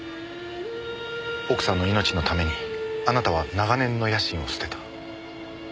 奥さんの命のためにあなたは長年の野心を捨てた。